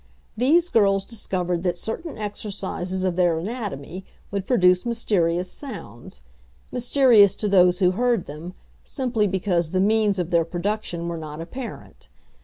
These girls discovered that certain exercises of their anatomy would produce mysterious sounds mysterious to those who heard them, simply because the means of their production were not apparent.